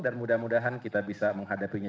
dan mudah mudahan kita bisa menghadapinya